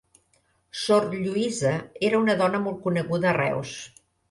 Sor Lluïsa era una dona molt coneguda a Reus.